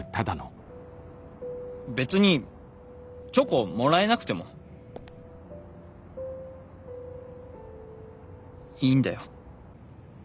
別にチョコもらえなくてもいいんだよ。